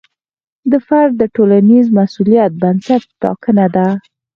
د فرد د ټولنیز مسوولیت بنسټ ټاکنه ده.